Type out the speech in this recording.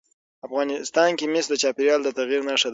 افغانستان کې مس د چاپېریال د تغیر نښه ده.